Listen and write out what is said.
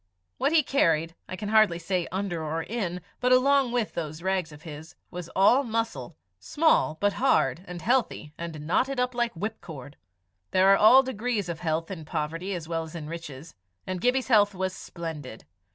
What he carried I can hardly say under or in, but along with those rags of his, was all muscle small, but hard and healthy, and knotting up like whipcord. There are all degrees of health in poverty as well as in riches, and Gibbie's health was splendid.